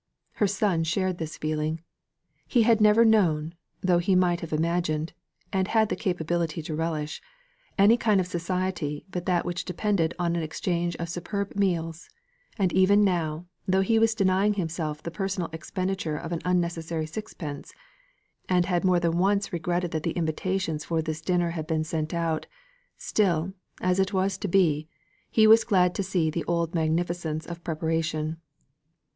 Her son shared this feeling. He had never known though he might have imagined, and had the capability to relish any kind of society but that which depended on an exchange of superb meals: and even now, though he was denying himself the personal expenditure of an unnecessary sixpence, and had more than once regretted that the invitations for this dinner had been sent out, still, as it was to be, he was glad to see the old magnificence of preparation.